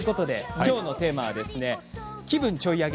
きょうのテーマは「気分をちょいアゲ！